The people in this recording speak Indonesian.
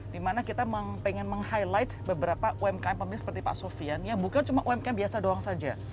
dimana kita pengen meng highlight beberapa umkm pemilik seperti pak sofian yang bukan cuma umkm biasa doang saja